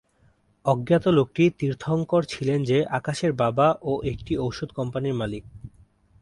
অজ্ঞাত লোকটি তীর্থঙ্কর ছিলেন যে, আকাশের বাবা ও একটি ওষুধ কোম্পানির মালিক।